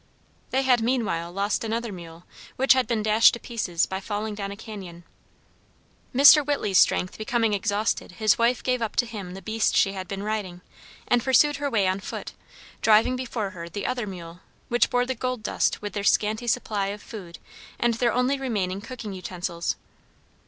They had meanwhile lost another mule which had been dashed to pieces by falling down a cañon. Mr. Whitley's strength becoming exhausted his wife gave up to him the beast she had been riding, and pursued her way on foot, driving before her the other mule, which bore the gold dust with their scanty supply of food and their only remaining cooking utensils.